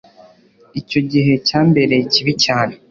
Icyo gihe cyambereye kibi cyane.